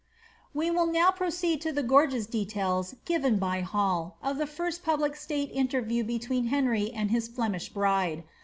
34IT We will now proceed to the gorgeous details given by Hall of the first public state interview between Henry and his Flemish bride.